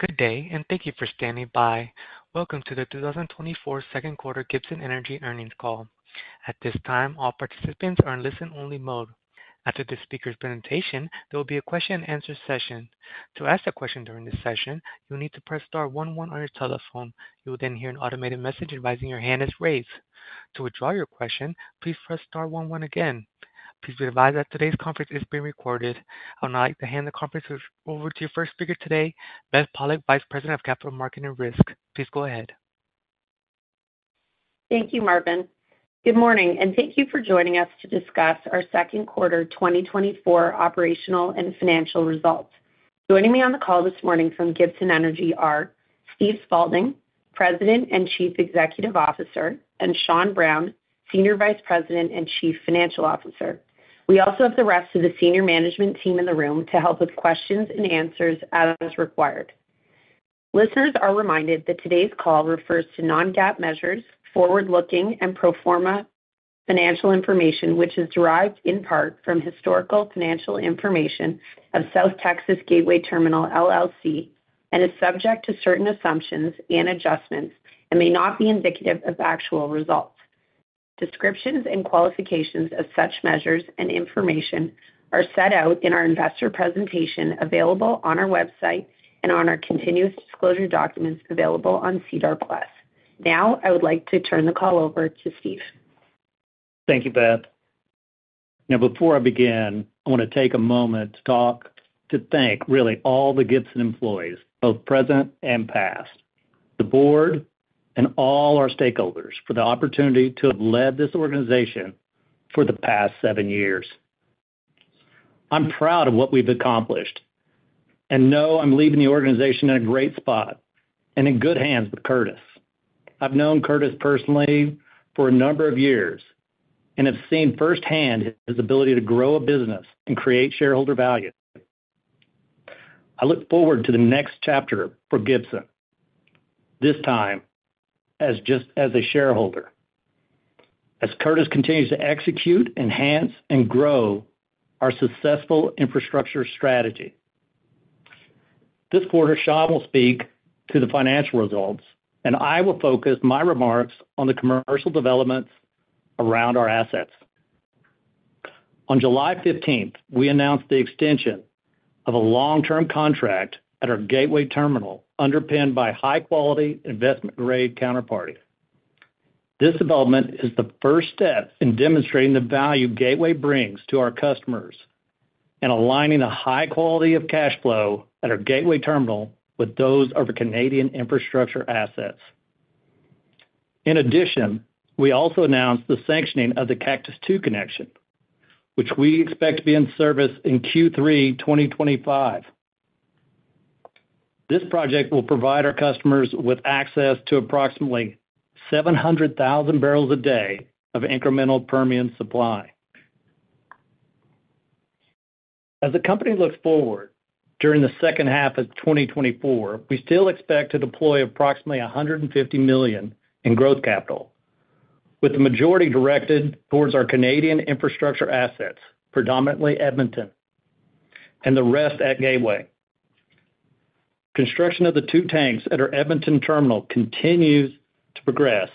Good day, and thank you for standing by. Welcome to the 2024 Q2 Gibson Energy earnings call. At this time, all participants are in listen-only mode. After the speaker's presentation, there will be a Q&A session. To ask a question during this session, you will need to press star one one on your telephone. You will then hear an automated message advising your hand is raised. To withdraw your question, please press star one one again. Please be advised that today's conference is being recorded. I would now like to hand the conference over to your first speaker today, Beth Pollock, Vice President of Capital Markets and Risk. Please go ahead. Thank you, Marvin. Good morning, and thank you for joining us to discuss our Q2 2024 operational and financial results. Joining me on the call this morning from Gibson Energy are Steve Spaulding, President and Chief Executive Officer, and Sean Brown, Senior Vice President and Chief Financial Officer. We also have the rest of the senior management team in the room to help with questions and answers as required. Listeners are reminded that today's call refers to non-GAAP measures, forward-looking and pro forma financial information, which is derived in part from historical financial information of South Texas Gateway Terminal, LLC, and is subject to certain assumptions and adjustments and may not be indicative of actual results. Descriptions and qualifications of such measures and information are set out in our investor presentation, available on our website and on our continuous disclosure documents available on SEDAR+. Now, I would like to turn the call over to Steve. Thank you, Beth. Now, before I begin, I want to take a moment to thank really all the Gibson employees, both present and past, the board, and all our stakeholders for the opportunity to have led this organization for the past seven years. I'm proud of what we've accomplished and know I'm leaving the organization in a great spot and in good hands with Curtis. I've known Curtis personally for a number of years and have seen firsthand his ability to grow a business and create shareholder value. I look forward to the next chapter for Gibson, this time as just a shareholder. As Curtis continues to execute, enhance, and grow our successful infrastructure strategy. This quarter, Sean will speak to the financial results, and I will focus my remarks on the commercial developments around our assets. On July 15th, we announced the extension of a long-term contract at our Gateway Terminal, underpinned by high-quality investment-grade counterparties. This development is the first step in demonstrating the value Gateway brings to our customers and aligning the high quality of cash flow at our Gateway Terminal with those of the Canadian infrastructure assets. In addition, we also announced the sanctioning of the Cactus II connection, which we expect to be in service in Q3 2025. This project will provide our customers with access to approximately 700,000 barrels a day of incremental Permian supply. As the company looks forward during the second half of 2024, we still expect to deploy approximately 150 million in growth capital, with the majority directed towards our Canadian infrastructure assets, predominantly Edmonton, and the rest at Gateway. Construction of the two tanks at our Edmonton Terminal continues to progress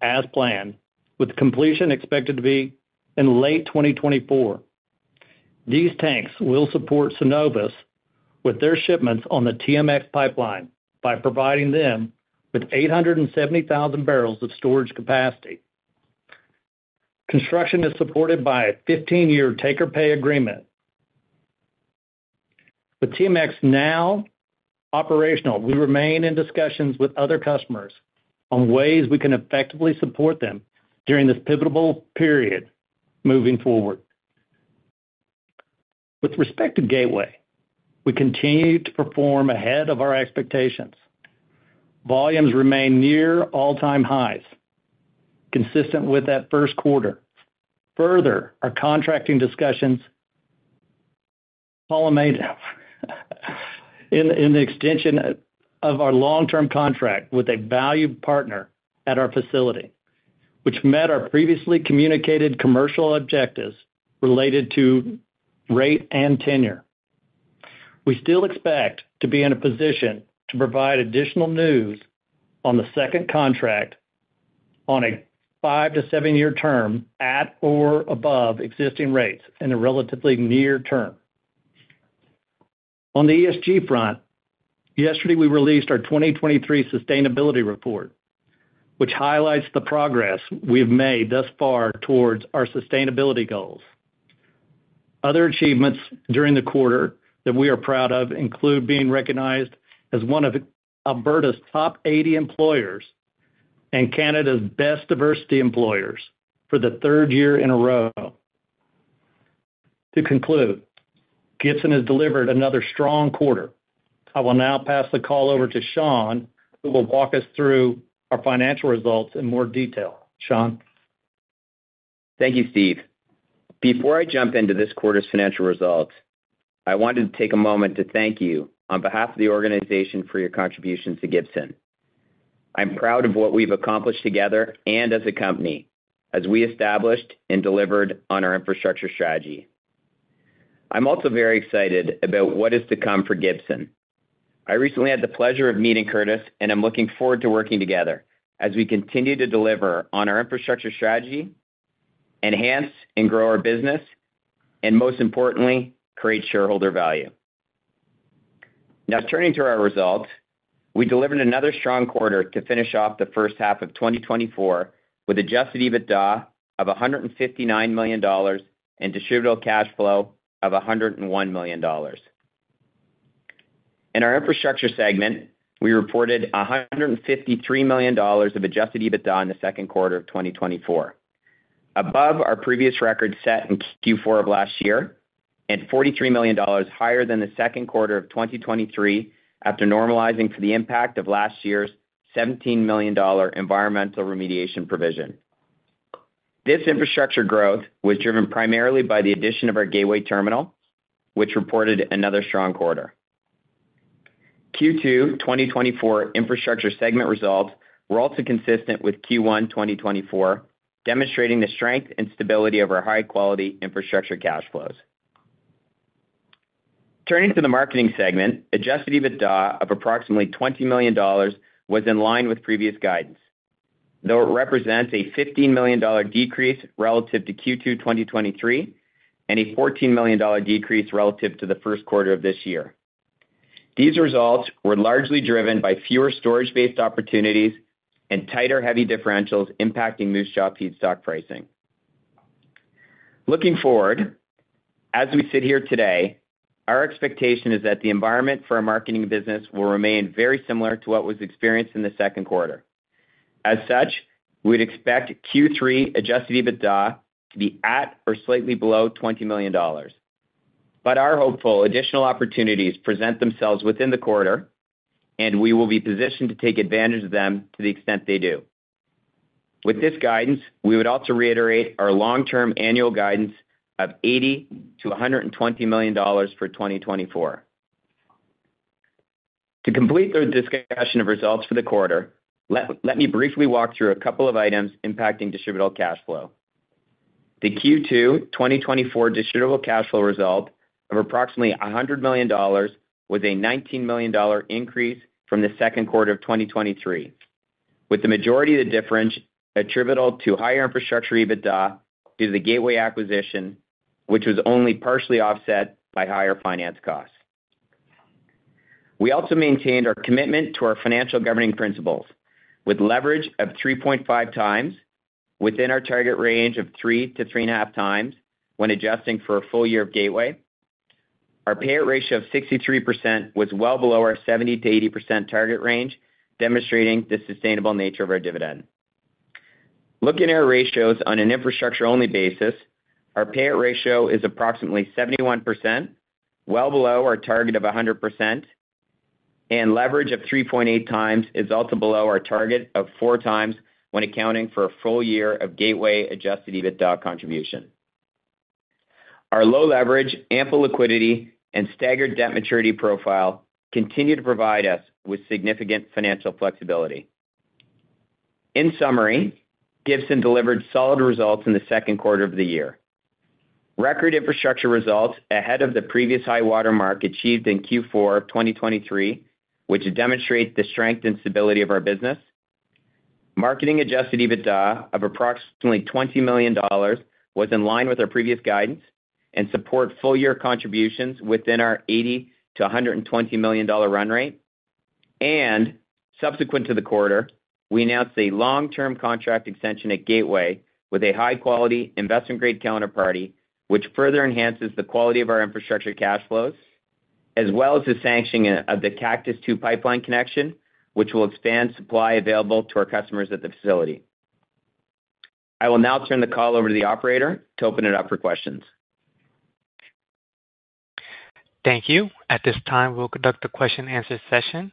as planned, with completion expected to be in late 2024. These tanks will support Cenovus with their shipments on the TMX pipeline by providing them with 870,000 barrels of storage capacity. Construction is supported by a 15-year take-or-pay agreement. With TMX now operational, we remain in discussions with other customers on ways we can effectively support them during this pivotal period moving forward. With respect to Gateway, we continue to perform ahead of our expectations. Volumes remain near all-time highs, consistent with that Q1. Further, our contracting discussions culminated in the extension of our long-term contract with a valued partner at our facility, which met our previously communicated commercial objectives related to rate and tenure. We still expect to be in a position to provide additional news on the second contract on a 5-7-year term, at or above existing rates in the relatively near term. On the ESG front, yesterday, we released our 2023 sustainability report, which highlights the progress we have made thus far towards our sustainability goals. Other achievements during the quarter that we are proud of include being recognized as one of Alberta's top 80 employers and Canada's Best Diversity Employers for the third year in a row. To conclude, Gibson has delivered another strong quarter. I will now pass the call over to Sean, who will walk us through our financial results in more detail. Sean? Thank you, Steve. Before I jump into this quarter's financial results, I wanted to take a moment to thank you on behalf of the organization for your contributions to Gibson. I'm proud of what we've accomplished together and as a company, as we established and delivered on our infrastructure strategy. ... I'm also very excited about what is to come for Gibson. I recently had the pleasure of meeting Curtis, and I'm looking forward to working together as we continue to deliver on our infrastructure strategy, enhance and grow our business, and most importantly, create shareholder value. Now, turning to our results, we delivered another strong quarter to finish off the first half of 2024, with Adjusted EBITDA of 159 million dollars and Distributable Cash Flow of 101 million dollars. In our infrastructure segment, we reported 153 million dollars of Adjusted EBITDA in the Q2 of 2024, above our previous record set in Q4 of last year, and 43 million dollars higher than the Q2 of 2023, after normalizing for the impact of last year's 17 million dollar environmental remediation provision. This infrastructure growth was driven primarily by the addition of our Gateway Terminal, which reported another strong quarter. Q2 2024 infrastructure segment results were also consistent with Q1 2024, demonstrating the strength and stability of our high-quality infrastructure cash flows. Turning to the marketing segment, Adjusted EBITDA of approximately 20 million dollars was in line with previous guidance, though it represents a 15 million dollar decrease relative to Q2 2023, and a 14 million dollar decrease relative to the Q1 of this year. These results were largely driven by fewer storage-based opportunities and tighter, heavy differentials impacting Moose Jaw feedstock pricing. Looking forward, as we sit here today, our expectation is that the environment for our marketing business will remain very similar to what was experienced in the Q2. As such, we'd expect Q3 Adjusted EBITDA to be at or slightly below 20 million dollars. But are hopeful additional opportunities present themselves within the quarter, and we will be positioned to take advantage of them to the extent they do. With this guidance, we would also reiterate our long-term annual guidance of 80 million-120 million dollars for 2024. To complete the discussion of results for the quarter, let me briefly walk through a couple of items impacting Distributable Cash Flow. The Q2 2024 Distributable Cash Flow result of approximately 100 million dollars was a 19 million dollar increase from the Q2 of 2023, with the majority of the difference attributable to higher infrastructure EBITDA due to the gateway acquisition, which was only partially offset by higher finance costs. We also maintained our commitment to our financial governing principles with leverage of 3.5 times within our target range of 3-3.5 times when adjusting for a full year of Gateway. Our payout ratio of 63% was well below our 70%-80% target range, demonstrating the sustainable nature of our dividend. Looking at our ratios on an infrastructure-only basis, our payout ratio is approximately 71%, well below our target of 100%, and leverage of 3.8 times is also below our target of 4 times when accounting for a full year of Gateway-adjusted EBITDA contribution. Our low leverage, ample liquidity, and staggered debt maturity profile continue to provide us with significant financial flexibility. In summary, Gibson delivered solid results in the Q2 of the year. Record infrastructure results ahead of the previous high water mark achieved in Q4 of 2023, which demonstrates the strength and stability of our business. Marketing-adjusted EBITDA of approximately 20 million dollars was in line with our previous guidance and support full year contributions within our 80 million-120 million dollar run rate. Subsequent to the quarter, we announced a long-term contract extension at Gateway with a high-quality investment-grade counterparty, which further enhances the quality of our infrastructure cash flows, as well as the sanctioning of the Cactus II pipeline connection, which will expand supply available to our customers at the facility. I will now turn the call over to the operator to open it up for questions. Thank you. At this time, we'll conduct a Q&A session.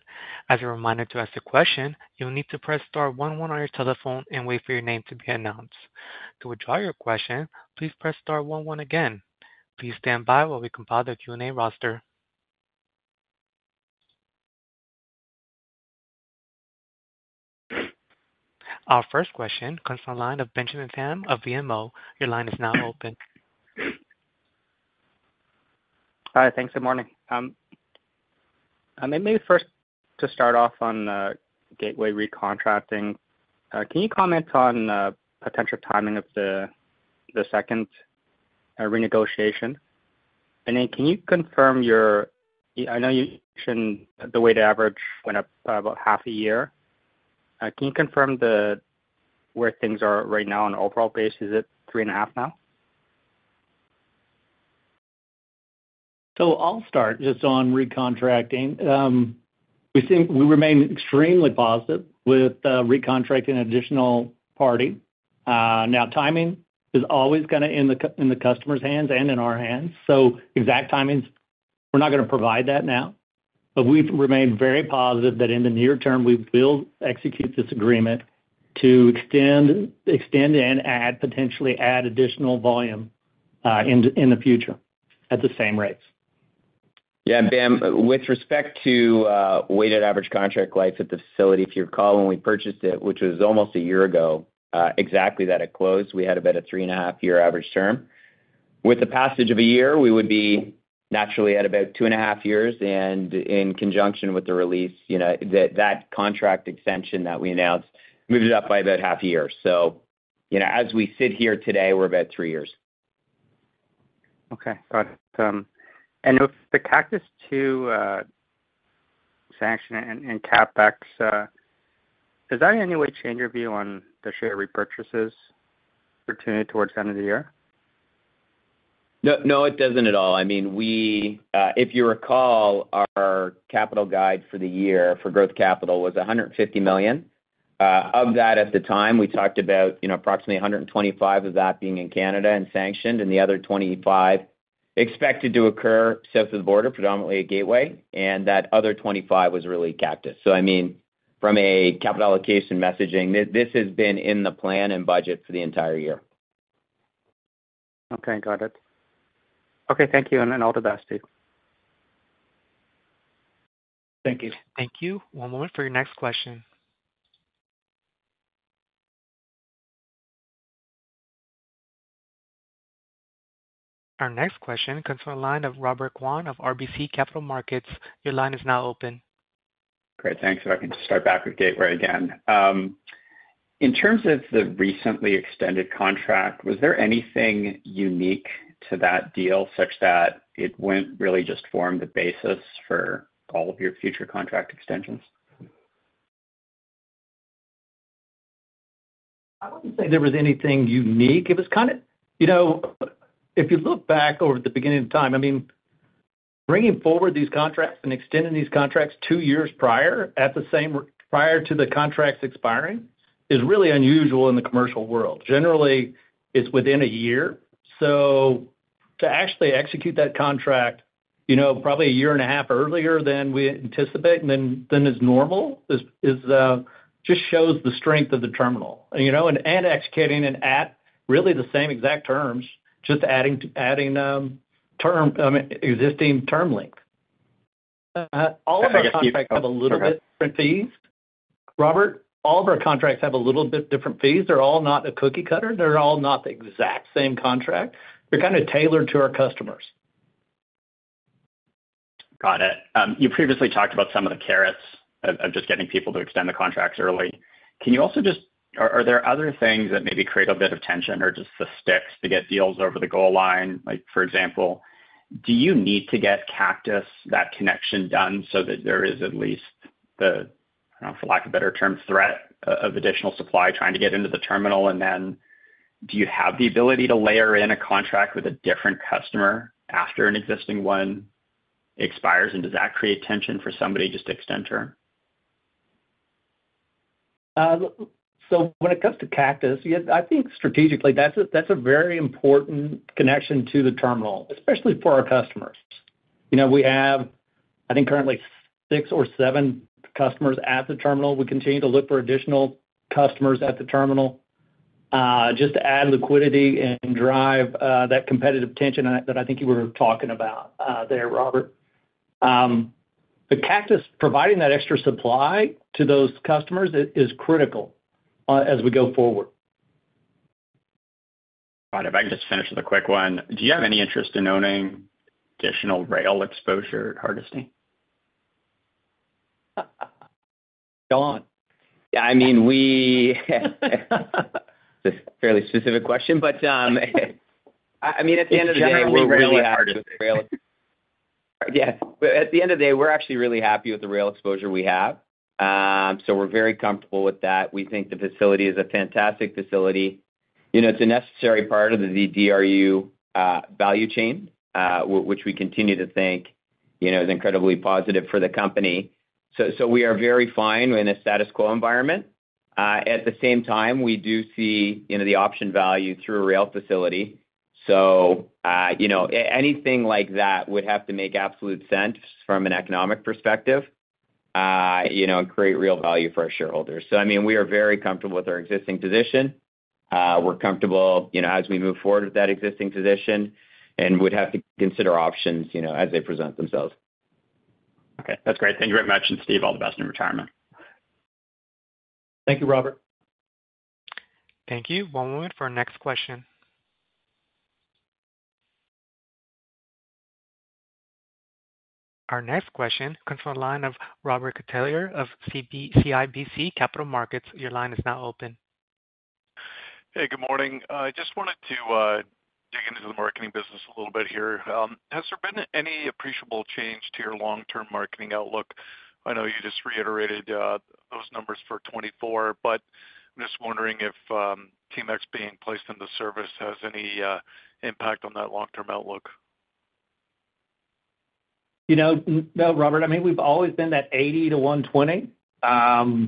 As a reminder, to ask a question, you'll need to press star one one on your telephone and wait for your name to be announced. To withdraw your question, please press star one one again. Please stand by while we compile the Q&A roster. Our first question comes from the line of Benjamin Pham of BMO. Your line is now open. Hi, thanks, good morning. And then maybe first to start off on Gateway recontracting. Can you comment on potential timing of the second renegotiation? And then can you confirm your-- I know you mentioned the weighted average went up about half a year. Can you confirm where things are right now on an overall basis? Is it three and a half now? So I'll start just on recontracting. We think we remain extremely positive with recontracting an additional party. Now, timing is always kind of in the customer's hands and in our hands, so exact timings, we're not going to provide that now. But we've remained very positive that in the near term, we will execute this agreement to extend, extend and add, potentially add additional volume in the future at the same rates.... Yeah, Ben, with respect to, weighted average contract life at the facility, if you recall, when we purchased it, which was almost 1 year ago, exactly that it closed, we had about a 3.5-year average term. With the passage of 1 year, we would be naturally at about 2.5 years, and in conjunction with the release, you know, that, that contract extension that we announced moved it up by about half a year. So, you know, as we sit here today, we're about 3 years. Okay. Got it. And with the Cactus II sanction and CapEx, does that in any way change your view on the share repurchases opportunity towards the end of the year? No, no, it doesn't at all. I mean, we, if you recall, our capital guide for the year for growth capital was 150 million. Of that, at the time, we talked about, you know, approximately 125 million of that being in Canada and sanctioned, and the other 25 expected to occur south of the border, predominantly at Gateway, and that other 25 was really Cactus. So I mean, from a capital allocation messaging, this, this has been in the plan and budget for the entire year. Okay, got it. Okay, thank you, and, and all the best to you. Thank you. Thank you. One moment for your next question. Our next question comes from the line of Robert Kwan of RBC Capital Markets. Your line is now open. Great, thanks. If I can just start back with Gateway again. In terms of the recently extended contract, was there anything unique to that deal such that it went, really just formed the basis for all of your future contract extensions? I wouldn't say there was anything unique. It was kind of. You know, if you look back over at the beginning of time, I mean, bringing forward these contracts and extending these contracts two years prior, at the same prior to the contracts expiring, is really unusual in the commercial world. Generally, it's within a year. So to actually execute that contract, you know, probably a year and a half earlier than we anticipate and then, than is normal, is just shows the strength of the terminal, you know? And executing it at really the same exact terms, just adding term, I mean, existing term length. All of our contracts have a little bit different fees. Okay. Robert, all of our contracts have a little bit different fees. They're all not a cookie cutter. They're all not the exact same contract. They're kind of tailored to our customers. Got it. You previously talked about some of the carrots of just getting people to extend the contracts early. Can you also just... Are there other things that maybe create a bit of tension or just the sticks to get deals over the goal line? Like, for example, do you need to get the Cactus II connection done so that there is at least the, you know, for lack of a better term, threat of additional supply trying to get into the terminal? And then do you have the ability to layer in a contract with a different customer after an existing one expires? And does that create tension for somebody to just extend term? So when it comes to Cactus, yes, I think strategically, that's a very important connection to the terminal, especially for our customers. You know, we have, I think, currently 6 or 7 customers at the terminal. We continue to look for additional customers at the terminal, just to add liquidity and drive that competitive tension that I think you were talking about, there, Robert. But Cactus providing that extra supply to those customers is critical, as we go forward. All right, if I can just finish with a quick one. Do you have any interest in owning additional rail exposure at Hardisty? Go on. Yeah, I mean, this is a fairly specific question, but I mean, at the end of the day, we're really happy with the rail- Yeah. But at the end of the day, we're actually really happy with the rail exposure we have. So we're very comfortable with that. We think the facility is a fantastic facility. You know, it's a necessary part of the DRU value chain, which we continue to think, you know, is incredibly positive for the company. So we are very fine in a status quo environment. At the same time, we do see, you know, the option value through a rail facility. So you know, anything like that would have to make absolute sense from an economic perspective, you know, and create real value for our shareholders. So I mean, we are very comfortable with our existing position. We're comfortable, you know, as we move forward with that existing position and would have to consider options, you know, as they present themselves. Okay. That's great. Thank you very much. Steve, all the best in your retirement. Thank you, Robert. Thank you. One moment for our next question. Our next question comes from the line of Robert Catellier of CIBC Capital Markets. Your line is now open. Hey, good morning. I just wanted to dig into the marketing business a little bit here. Has there been any appreciable change to your long-term marketing outlook? I know you just reiterated those numbers for 2024, but I'm just wondering if TMX being placed into service has any impact on that long-term outlook? You know, no, Robert, I mean, we've always been that 80 million-120 million.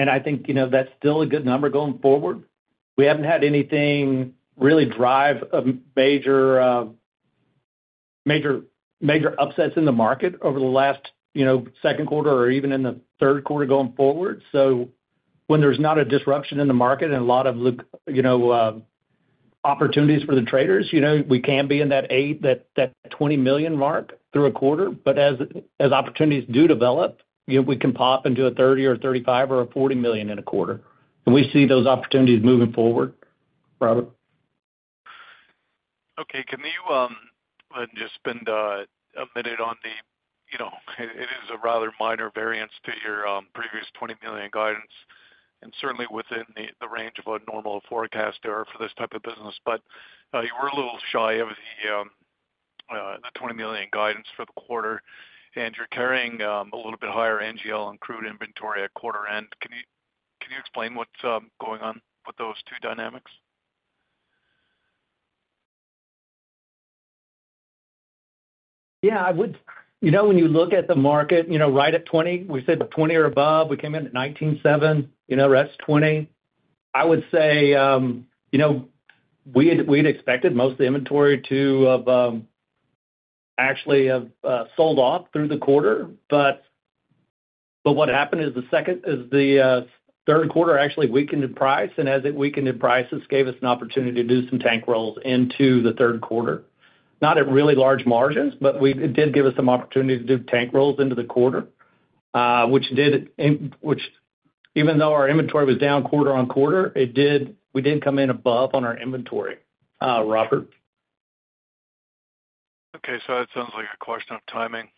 And I think, you know, that's still a good number going forward. We haven't had anything really drive a major upsets in the market over the last, you know, Q2 or even in the Q3 going forward. So when there's not a disruption in the market and a lot of opportunities for the traders. You know, we can be in that 80 million-120 million mark through a quarter, but as opportunities do develop, you know, we can pop into a 30 million or 35 million or a 40 million in a quarter, and we see those opportunities moving forward. Robert? Okay. Can you just spend a minute on the, you know, it, it is a rather minor variance to your previous 20 million guidance, and certainly within the range of a normal forecast error for this type of business. But you were a little shy of the 20 million guidance for the quarter, and you're carrying a little bit higher NGL and crude inventory at quarter end. Can you explain what's going on with those two dynamics? Yeah, I would. You know, when you look at the market, you know, right at 20, we said 20 or above, we came in at $19.7, you know, that's 20. I would say, you know, we had expected most of the inventory to actually have sold off through the quarter. But what happened is the Q3 actually weakened in price, and as it weakened in price, this gave us an opportunity to do some tank rolls into the Q3. Not at really large margins, but it did give us some opportunity to do tank rolls into the quarter, which even though our inventory was down quarter-over-quarter, we did come in above on our inventory. Robert? Okay, so that sounds like a question of timing.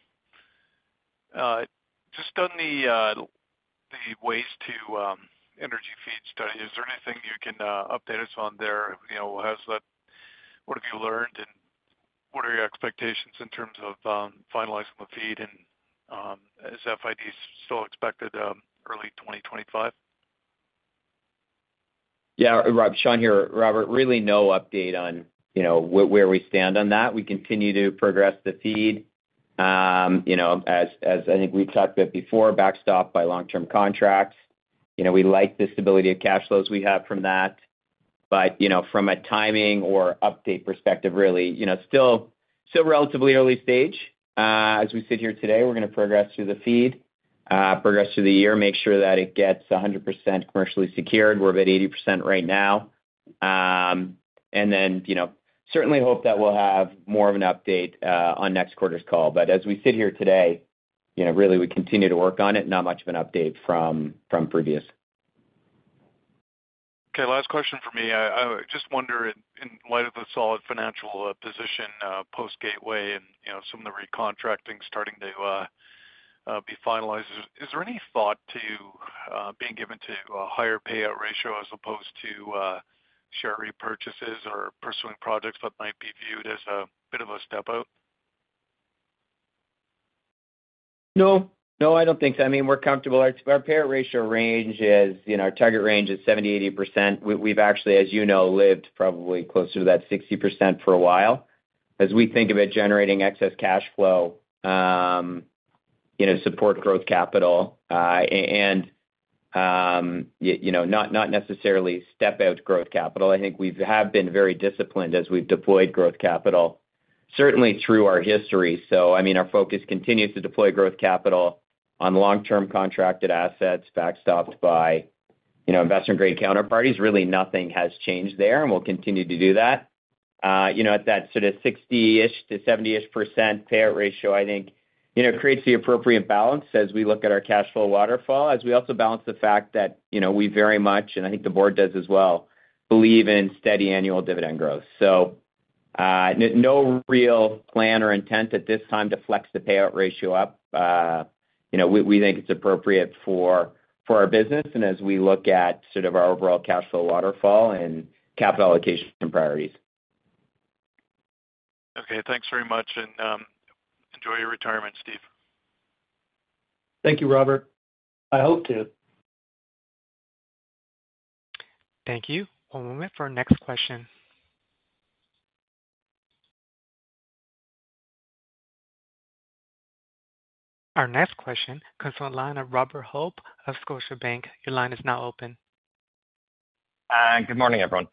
Just on the, the waste-to-energy feed study, is there anything you can update us on there? You know, how's that—what have you learned, and what are your expectations in terms of finalizing the feed? And, is FID still expected early 2025? Yeah, Rob, Sean here. Robert, really no update on, you know, where we stand on that. We continue to progress the feed. You know, as I think we've talked about before, backstopped by long-term contracts. You know, we like the stability of cash flows we have from that. But, you know, from a timing or update perspective, really, you know, still relatively early stage. As we sit here today, we're gonna progress through the feed, progress through the year, make sure that it gets 100% commercially secured. We're about 80% right now. And then, you know, certainly hope that we'll have more of an update, on next quarter's call. But as we sit here today, you know, really, we continue to work on it. Not much of an update from previous. Okay, last question for me. I just wonder, in light of the solid financial position, post Gateway and, you know, some of the recontracting starting to be finalized, is there any thought to being given to a higher payout ratio as opposed to share repurchases or pursuing projects that might be viewed as a bit of a step out? No, no, I don't think so. I mean, we're comfortable. Our payout ratio range is, you know, our target range is 70%-80%. We've actually, as you know, lived probably closer to that 60% for a while. As we think about generating excess cash flow, you know, support growth capital, and, you know, not necessarily step out growth capital. I think we've been very disciplined as we've deployed growth capital, certainly through our history. So I mean, our focus continues to deploy growth capital on long-term contracted assets, backstopped by, you know, investment-grade counterparties. Really, nothing has changed there, and we'll continue to do that. You know, at that sort of 60-ish% to 70-ish% payout ratio, I think, you know, creates the appropriate balance as we look at our cash flow waterfall, as we also balance the fact that, you know, we very much, and I think the board does as well, believe in steady annual dividend growth. So, no real plan or intent at this time to flex the payout ratio up. You know, we think it's appropriate for our business and as we look at sort of our overall cash flow waterfall and capital allocation priorities. Okay. Thanks very much, and enjoy your retirement, Steve. Thank you, Robert. I hope to. Thank you. One moment for our next question. Our next question comes from the line of Robert Hope of Scotiabank. Your line is now open. Good morning, everyone.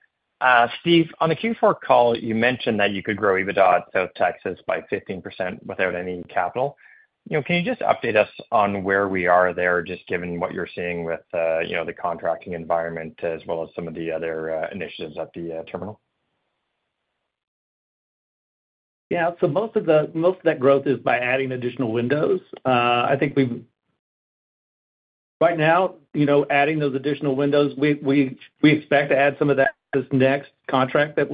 Steve, on the Q4 call, you mentioned that you could grow EBITDA at South Texas by 15% without any capital. You know, can you just update us on where we are there, just given what you're seeing with, you know, the contracting environment, as well as some of the other initiatives at the terminal? Yeah. So most of that growth is by adding additional windows. I think we've. Right now, you know, adding those additional windows, we expect to add some of that this next contract that's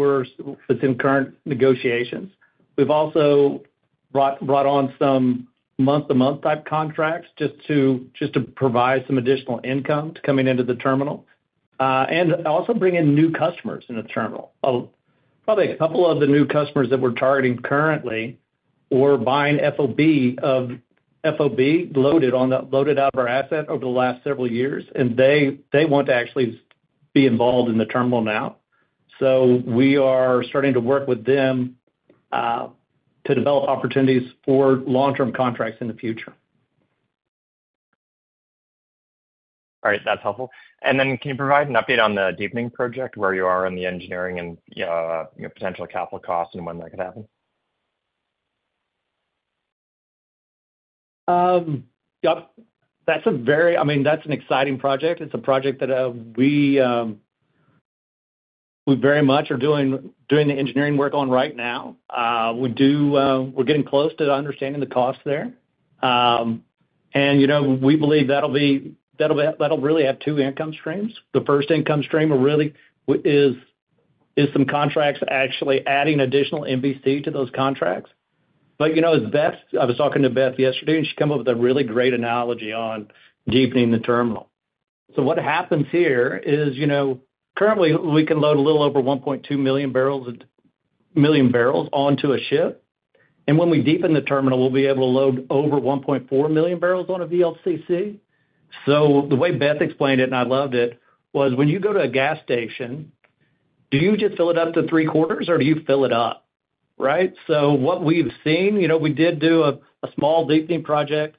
in current negotiations. We've also brought on some month-to-month type contracts just to provide some additional income coming into the terminal, and also bring in new customers in the terminal. Probably a couple of the new customers that we're targeting currently were buying FOB loaded out of our asset over the last several years, and they want to actually be involved in the terminal now. So we are starting to work with them to develop opportunities for long-term contracts in the future. All right. That's helpful. And then, can you provide an update on the deepening project, where you are in the engineering and, you know, potential capital costs and when that could happen?... Yep, that's a very-- I mean, that's an exciting project. It's a project that, we very much are doing the engineering work on right now. We do, we're getting close to understanding the costs there. And, you know, we believe that'll be, that'll, that'll really have two income streams. The first income stream really is, is some contracts actually adding additional MVC to those contracts. But, you know, as Beth-- I was talking to Beth yesterday, and she came up with a really great analogy on deepening the terminal. So what happens here is, you know, currently, we can load a little over 1.2 million barrels, million barrels onto a ship, and when we deepen the terminal, we'll be able to load over 1.4 million barrels on a VLCC. So the way Beth explained it, and I loved it, was when you go to a gas station, do you just fill it up to three-quarters, or do you fill it up? Right? So what we've seen, you know, we did do a small deepening project,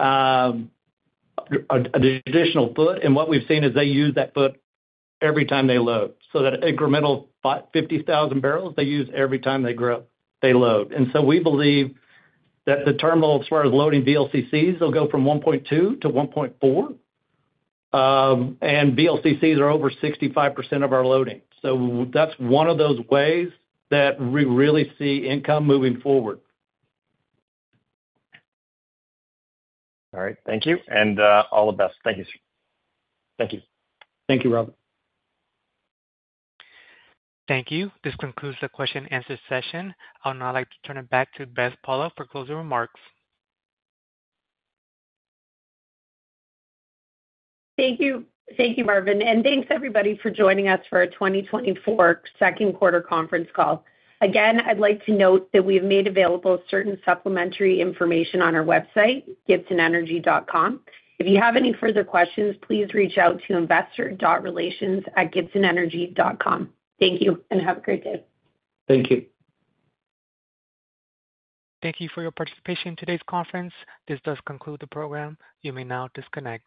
an additional foot, and what we've seen is they use that foot every time they load. So that incremental fifty thousand barrels, they use every time they fill, they load. And so we believe that the terminal, as far as loading VLCCs, will go from 1.2 to 1.4, and VLCCs are over 65% of our loading. So that's one of those ways that we really see income moving forward. All right. Thank you, and all the best. Thank you, sir. Thank you. Thank you, Robert. Thank you. This concludes the Q&A session. I would now like to turn it back to Beth Pollock for closing remarks. Thank you. Thank you, Marvin, and thanks everybody for joining us for our 2024 Q2 conference call. Again, I'd like to note that we've made available certain supplementary information on our website, gibsonenergy.com. If you have any further questions, please reach out to investor.relations@gibsonenergy.com. Thank you, and have a great day. Thank you. Thank you for your participation in today's conference. This does conclude the program. You may now disconnect.